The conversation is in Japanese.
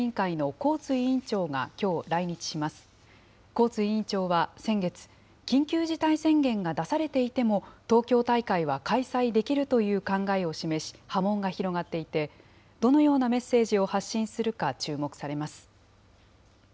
コーツ委員長は先月、緊急事態宣言が出されていても、東京大会は開催できるという考えを示し、波紋が広がっていて、どのようなメッセージを発信するか注目されます。